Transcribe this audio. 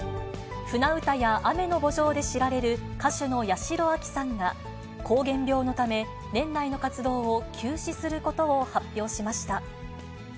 舟唄や雨の慕情で知られる、歌手の八代亜紀さんが、膠原病のため、年内の活動を休止することを発表しました。